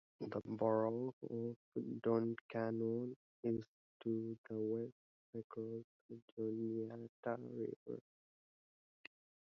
The borough of Duncannon is to the west, across the Juniata River.